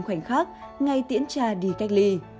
khoảnh khắc ngay tiễn cha đi cách ly